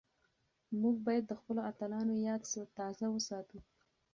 موږ بايد د خپلو اتلانو ياد تازه وساتو.